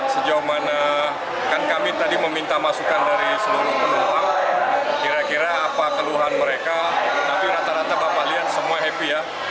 sejauh mana kan kami tadi meminta masukan dari seluruh penumpang kira kira apa keluhan mereka tapi rata rata bapak lihat semua happy ya